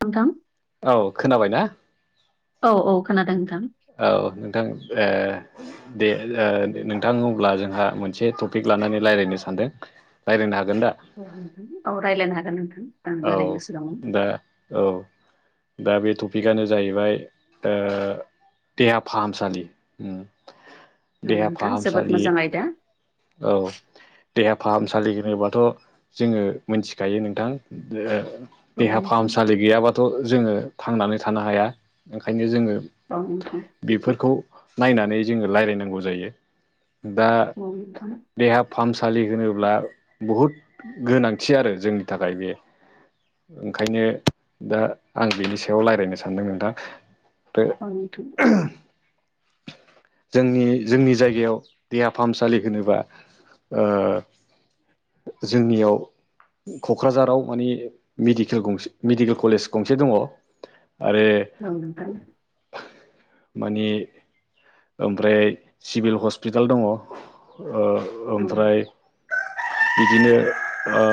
नोंथां? औ खोनाबाय ना? औ औ खोनादों। औ नोंथां ओ दे ओ नोंथां अब्ला जोंहा मोनसे टपिक लानानै रायज्लायनो सानदों रायज्लायनो हागोन दा औ नोंथां औ राय्लायनो हागोन नोंथां। आं औ ओरैनो सो दङ दा औ। दा बे टपिकआनो जाहैबाय ओ देहा फाहामसालि ओम औ देहा नोंथां जोबोद फाहामसालि मोजां आयदा औ। देहा फाहामसालि होनोबाथ' जोङो मोनथिखायो नोंथां ओ औ देहा नोंथां फाहामसालि गैयाबाथ' जोङो थांनानै थानो हाया ओंखायनो जोङो औ नोंथां। बेफोरखौ नायनानै जोङो रायज्लायनांगौ जायो दा देहा [unintelligible] फाहामसालि होनोब्ला बहुद गोनांथि आरो जोंनि थाखाय बे। ओंखायनो दा आं बेनि सायाव रायज्लायनो सानदों नोंथां। औ नोंथां। जोंनि जोंनि जायगायाव देहा फाहामसालि जेनेबा ओ जोंनियाव क'क्राझाराव मानि मेडिकेल गंसे मेडिकेल कलेज गंसे दङ। आरो औ नोंथां। मानि ओमफ्राय सिभिल हस्पिटाल दङ। ओ ओमफ्राय बिदिनो ओ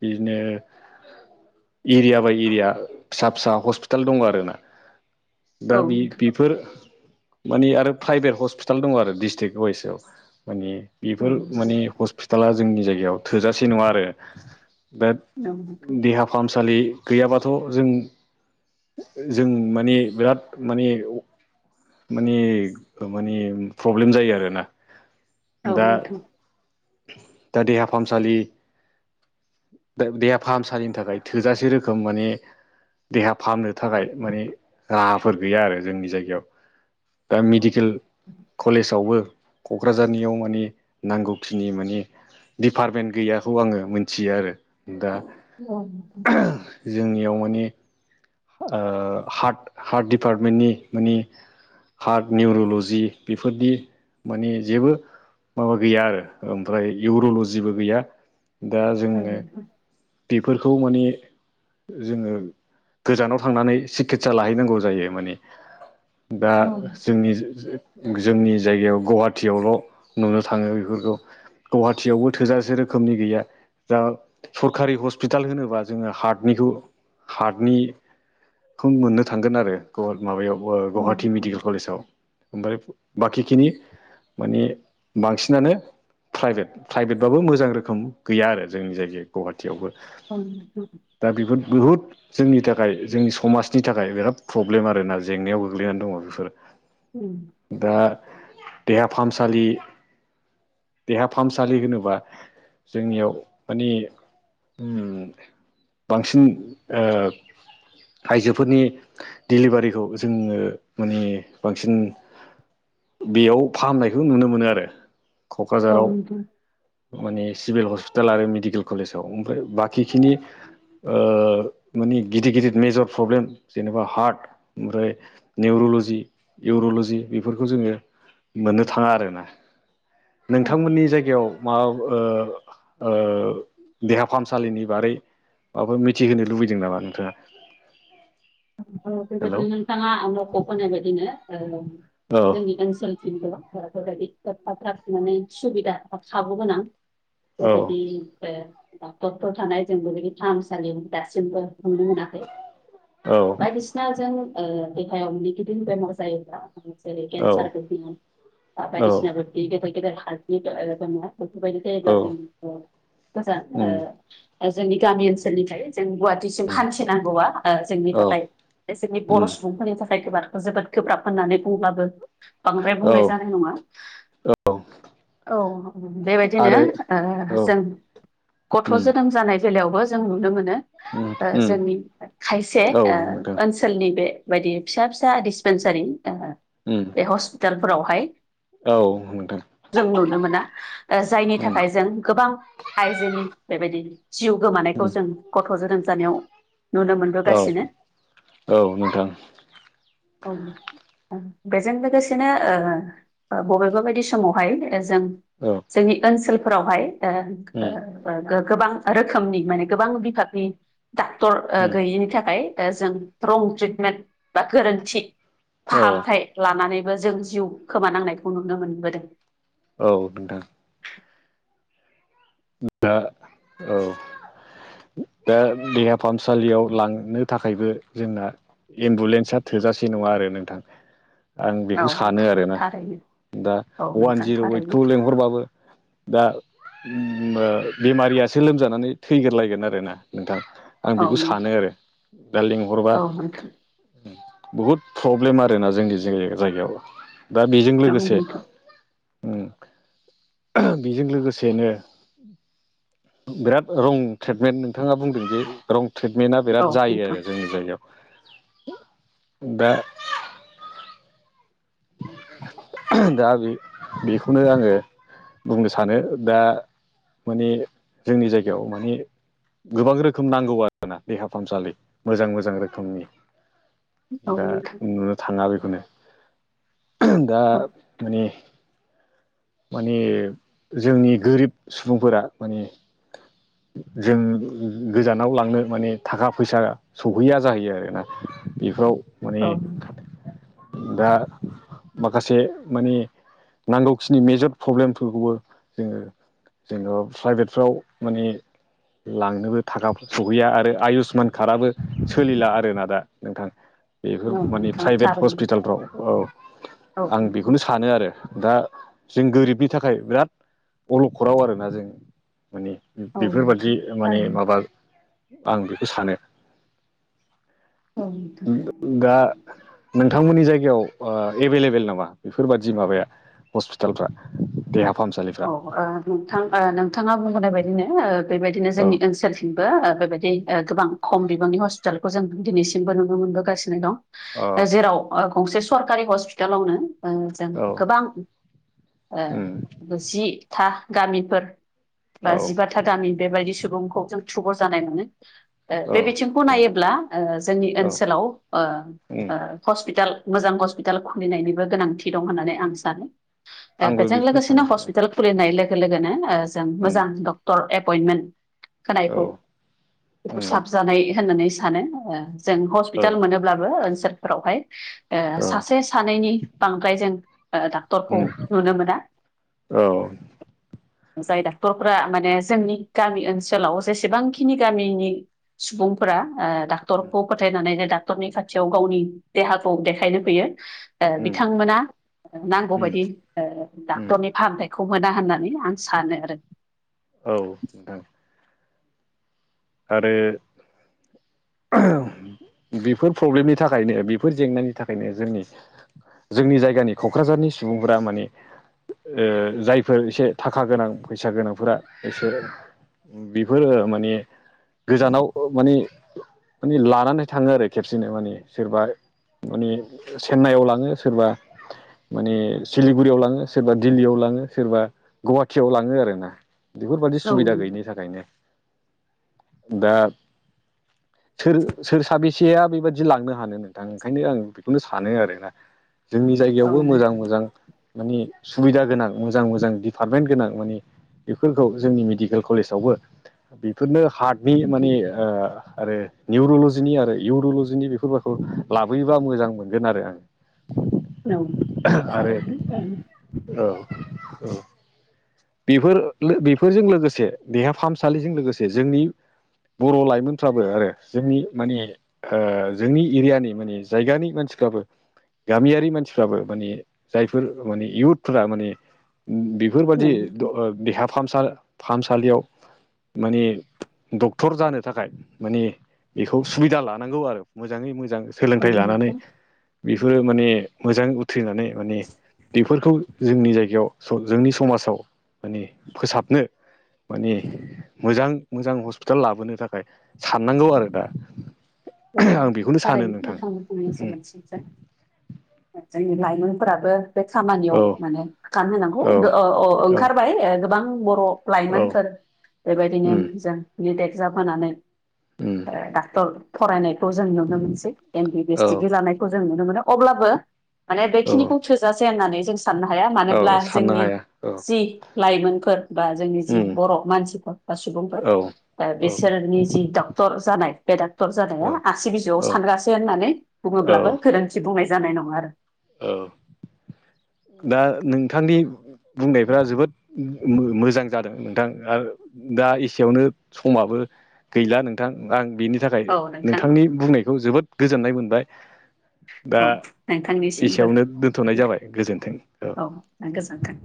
बिदिनो एरिया बाय एरिया फिसा फिसा हस्पिटाल दङ आरोना। दा औ नोंथां बे-बेफोर मानि आरो प्राइभेट हस्पिटाल दङ आरो डिस्ट्रिक वाइसआव मानि औ नोंथां औ नोंथां औ बेफोर नोंथां औ नोंथां माने औ हस्पिटाला जोंनि जायगायाव थोजासे नङा आरो दा नोंथां औ नोंथां देहा फाहामसालि गैयाबाथ' जों जों माने बिराद माने मानि माने प्रब्लेम जायो आरोना। औ दा नोंथां। दा देहा फाहामसालि देहा फाहामसालिनि थाखाय थोजासे रोखोम माने देहा फाहामनो थाखाय मानि राहाफोर गैया आरो जोंनि जायगायाव दा मिदि केल कलेजावबो क'क्राझारनियाव माने नांगौखिनि माने दिडपार्टमेन्ट गैयाखौ आङो मोनथियो आरो। दा औ। जोंनियाव माने ओ हार्ट हार्ट डिपार्टमेन्टनि माने हार्ट निउरल'जि बेफोरदि माने जेबो माबा गैया आरो ओमफ्राय इउर'लजिबो गैया दा जोङो नोंथां औ नोंथां औ बेफोरखौ माने जोङो गोजानाव थांनानै सिखित्सा लाहैनांगौ जायो माने दा जोंनि जोंनि जायगायाव गुवाहाटियावल' नुनो थाङो बेफोरखौ गुवाहाटियावबो थोजासे रोखोमनि गैया दा सरकारि हस्पिटाल होनोबा जोङो हार्टनिखौ हार्टनि खौ मोननो थांगोन आरो माबायाव गुवाहाटि मेडिकेल बेबायदिनो कलेजाव ओमफ्राय बाखिखिनि माने बांसिनानो प्राइभेट प्राइभेटबाबो मोजां रोखोम गैया आरो जोंनि जायगायाव। गुवाहाटियावबो दा बेफोर बहुद जोंनि थाखाय जोंनि समाजनि थाखाय बिराद प्रब्लेम आरोना जेंनायाव गोग्लैनानै दङ बेफोर। उम। दा देहा फाहामसालि देहा फाहामसालि होनोबा जोंनियाव मानिे बांसिन आइजोफोरनि डेलिभारिखौ जोङो माने बांसिन बेयाव फाहामनायखौ नुनो मोनो आरो क'क्राझाराव माने सिभिल हस्पिटाल आरो मेडिकेल कलेज ओमफ्राय बाखिखिनि माने गिदिर गिदिर मेजर प्रब्लेम जेनेबा हार्ट ओमफ्राय निउर' 'लजि इउर'ल'जि बेफोरखौ जोङो मोननो थाङा आरोना नोंथांमोननि जायगायाव माबा देहा फाहामसालिनि बारै माबाफोर मिथिहोनो लुबैदों नामा नोंथाङा औ हेलौ बेबायदि नोंथाङा आं न'खौ फोनाय बायदिनो औ [inaudible] एफाब लाखिनानै सुबिदा साबोगोन आं औ बेबायदि डक्टरफोर थानाय जोंबो फाहामसालि दासिमबो नुनो मोनाखै औ बायदिसिनाजों देहायाव नेगिदिं बेमार जायोब्ला [inaudible] फोरबायदि औ जायोब्ला औ जों उम उम गोजान जोंनि गामि ओनसोलनिफ्राय जों गुवाहाटिसिम हान्थिनांगौआ जोंनि औ थाखाय जोंनि उम बर' सुबुंफोरनि थाखाय जोबोद गोब्राब होननानै बुंब्लाबो बांद्राय औ बुंनाय जानाय नङा। औ औ बेबायदिनो आरो औ उम जों गथ' जोनोम जानाय बेलायावबो जों नुनो मोनो उम उम जोंनि खायसे औ नोंथां ओनसोलनि बे बायदि फिसा फिसा डिसपेेनसारि उम बे हस्पिटालफोरावहाय औ नोंथां जों नुनो मोना जायनि उम थाखाय जों गोबां आइजोनि बेबायदि जिउ गोमानायखौ उम जों जोनोम जानायाव नुनो औ मोनबोगासिनो औ नोंथां बेजों लोगोसेनो बबेबा बायदि समावहाय जों औ जोंनि ओनसोलफोरावहाय उम गोबां रोखोमनि माने गोबां बिभागनि डाक्टर उम गैयिनि जों रं ट्रिटमेन्ट बा गोरोन्थि औ फाहामथाय लानानै जों जिउ खोमानांनायखौ नुनो मोनबोदों औ नोंथां दा औ दा देहा फाहामसालियाव लांनो थाखायबो जोंना एम्बुलेन्सा थोजासे नङा आरो नोंथां आं औ बेखौ सानो नोंथां आरोना थारैनो दा औ अवान नोंथां जिर' थारैनो ओइटखौ लेंंहरबाबो दा बेमारियासो लोमजानानै थैग्रलायगोन आरोना नोंथाङा आं औ बेखौ सानो नोंथां आरो दा लेंंहरबा औ नोंथां बहुद प्रब्लेम आरोना जोंनि जायगायाव दा बेजों औ लोगोसे नोंथां बेजों लोगोसेनो बिराद रं ट्रिटमेन्ट नोंथाङा बुंदों जे रं ट्रिटमेन्टआ बिराद औ जायो नोंथां आरो जोंनि जायगायाव [unintelligible] [inaudible] दा बे बेखौनो आङो बुंनो सानो। दा माने जोंनि जायगायाव माने गोबां रोखोम नांगौ आरोना देहा फाहामसालि मोजां मोजां रोखोमनि औ दा नोंथां नुनो थाङा बेखौनो दा औ माने माने जोंनि गोरिब सुबुंफोरा माने जों गोजानाव लांनो माने थाखा फैसा सौहैया जाहैयो आरोना [unintelligible] औ, दा माखासे माने, नांगौखिनि मेजत प्रब्लेमफोरखौबो जोङो जेनबा प्राइभेटफ्राव माने लांनोबो थाखा सहैया आरो आयुषमान कार्डआबो सोलिला आरोना दा नोंथां। बेफोर औ माने नोंथां प्राइभेट थारैनो हस्पिटालफ्राव औ औ आं नोंथां बेखौनो सानो आरो। दा जों गोरिबनि थाखाय बिराद अलखदाव आरोना जों। माने औ बेफोरबादि नोंथां माने थारैनो माबा आं बेखौ सानो औ नोंथां द-दा नोंथांमोननि जायगायाव आ एबेलेबेल नामा बेफोरबादि माबाया हस्पिटालफ्रा देहा औ, फाहामसालिफ्रा ओ नोंथां, ओ नोंथाङा बुंबोनाय बायदिनो ओ बेबायदिनो औ जोंनि ओनसोलथिं बो ओ बेबायदि ओ गोबां खम बिबांनि हस्पिटालखौ जों दिनैसिमबो नुनो मोनबोगासिनो दं औ ओ जेराव गंसे सरकारि हस्पितालावनो ओ जों औ गोबां उम ओ जि-था गामिफोर बा औ जिबााथा गामि बेबायदि सुबुंखौ जों थुबुर जानाय मोनो। ओ औ बे बिथिंखौ नोंथां नायोब्ला ओ जोंनि औ ओनसोलाव उम ओ-ओ हस्पिटाल मोजां हस्पिटाल खुलिनायनिबो गोनांथि दं होननानै आं सानो। ओ आंबो बेजों बेखौनो लोगोसेनो सानो। औ हस्पिटाल खुलिनाय औ लोगो लोगोनो ओ जों उम मोजां डक्टर औ एपइनमेन्ट [inaudible] उम साबजानाय होननानै सानो ओ जों औ हस्पिटाल मोनोब्लाबो ओन्सोलफोरावहाय ओ औ सासे सानैनि बांद्राय जों। ओ डाक्टरखौ उम नुनो मोना। औ, जाय डाक्टरफोरा माने जोंनि गामि ओनसोलाव जेसेबांखिनि गामिनि [inaudible] सुबुंफोरा ओ डाक्टरखौ फोथायनानैनो डाक्टरनि खाथियाव गावनि देहाखौ देखायनो फैयो। ओ उम बिथांमोना नांगौबादि ओ दा उम साननायखौ मोना होन्नानै आं सानो आरो औ [unintelligible] आरो, बेफोर प्रब्लेमनि थाखायनो बेफोर जेंनानि थाखायनो जोंनि जोंनि जायगानि खख्राजारनि सुबुंफोरा माने ओ जायफोर एसे थाखा गोनां फैसा गोनांफोरा एसे बेफोर ओ माने गोजानाव ओ माने माने लानानै थाङो आरो खेबसेनो माने सोरबा आरो माने चेन्नाइयाव लाङो सोरबा माने सिलिगुरियाव लाङो सोरबा दिल्ललियाव लाङो सोरबा गुहाटथियाव लाङो आरो ना बेफोरबादि औ सुबिदा नोंथां गैयिनि थाखायनो। दा सोर साबेसेया बेबादि लांनो हानो नोंथां, ! ओंखायनो आङो बेखौनो सानो आरोना जोंनि औ जायगायावबो मोजां नोंथां मोजां माने सुबिदा गोनां मोजां मोजां डिपार्टमेन्ट गोनां माने बेफोरखौ जोंनि मिडिकेल कलेजावबो बेफोरनो हार्टनि नोंथां माने ओ आरो निउरल'जिनि आरो इउरलजिनि बेखौ लाबोयोबा मोजां मोनगोन आरो आं औ आरो थारैनो औ औ औ बेफो लो बेफोरजों लोगोसे देहा फाहामसालिजों लोगोसे जोंनि बर' लाइमोनफ्राबो आरो जोंनि माने ओ जोंनि एरियानि माने जायगानि [unintelligible] गामियारि मानसिफ्राबो माने जायफोर माने इयउटफोरा माने बेफोरबायादि द नोंथां ओ देहा फाहामसा फाहामसालियाव माने डक्टर जानो थाखाय माने बेखौ सुबिदा लानांगौ आरो मोजाङै मो मोजां औ सोलोंथाइ लानानै नोंथां औ बेफोरो माने मोजाङै उथ्रिनानै माने बेफोरखौ जोंनि जायगायाव जोंनि समाजाव माने फोसाबनो माने मोजां मोजां हस्पिटाल लाबोनो थाखाय साननांगौ आरो दा औ आं बेखौनो सानो थारैनो नोंथां बुंनाय औ सोदोबथिफ्रा जोंनि लाइमोनफोराबो बे खामानियाव माने गानहांगौ औ ओंखारबाय गोबां बर' औ लाइमोनफोर बेबायदिनो उम जों नेट एजाम होनानै उम डक्टर फरायनायखौ जों नुनो मोनसै एमबिबिएस औ डिग्रि लानायखौ जों नु नुनो मोनो अब्लाबो माने औ बेखिनिखौ थोजासे होननानै जों साननो हाया मानोब्ला औ साननो जोंनि हाया औ जि लाइमोनफोर बा जोंनि जि उम बर' मानसिफोर बा औ सुबुंफोर बिसोर नि जि डाक्टर जानाय बे डाक्टर जानाया औ आसि बिजौआव औ सानग्रासो होननानै औ बुङोब्लाबो गोरोन्थि बुंनाय जानाय नङा आरो औ दा नोंथांनि बुंनायफ्रा जोबोद मोजां जादों नोंथां आरो दा एसेयावनो समाबो गैला नोंथां आं बेनि थाखाय औ नोंथां नोंथांनि बुंनायखौ जोबोद गोजोननाय मोनबाय दा औ नोंथा निसिमबो एसेयावनो दोनथ'नाय जाबाय गोजोन्थों औ गोजोन्थों